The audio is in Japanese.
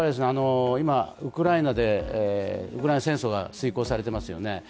今、ウクライナ戦争が遂行されていますよね